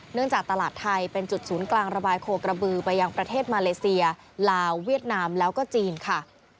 จากตลาดไทยเป็นจุดศูนย์กลางระบายโคกระบือไปยังประเทศมาเลเซียลาวเวียดนามแล้วก็จีนค่ะ